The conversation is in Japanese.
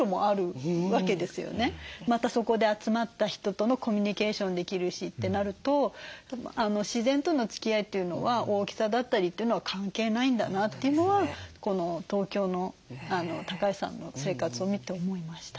またそこで集まった人とのコミュニケーションできるしってなると自然とのつきあいというのは大きさだったりというのは関係ないんだなっていうのはこの東京の橋さんの生活を見て思いました。